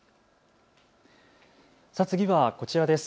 次はこちらです。